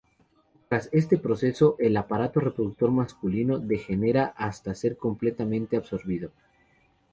Tras este proceso, el aparato reproductor masculino degenera hasta ser completamente absorbido.